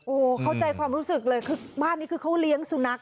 โอ้โหเข้าใจความรู้สึกเลยคือบ้านนี้คือเขาเลี้ยงสุนัข